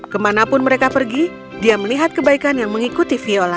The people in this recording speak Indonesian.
kemanapun mereka pergi dia melihat kebaikan yang mengikuti viola